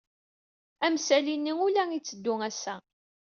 Amsali-nni ur la itteddu ass-a.